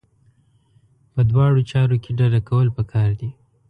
په دواړو چارو کې ډډه کول پکار دي.